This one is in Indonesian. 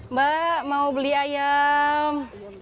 mbak mau beli ayam